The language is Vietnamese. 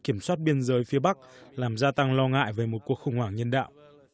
kiểm soát biên giới phía bắc làm gia tăng lo ngại về một cuộc khủng hoảng nhân đạo